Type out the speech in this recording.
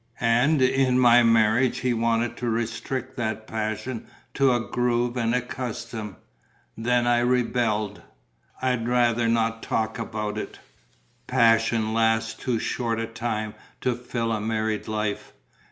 And in my marriage he wanted to restrict that passion to a groove and a custom. Then I rebelled.... I'd rather not talk about it. Passion lasts too short a time to fill a married life....